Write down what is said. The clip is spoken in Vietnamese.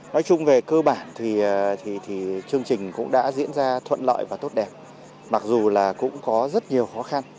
nói chung về cơ bản thì chương trình cũng đã diễn ra thuận lợi và tốt đẹp mặc dù là cũng có rất nhiều khó khăn